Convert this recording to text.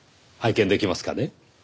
拝見できますかね？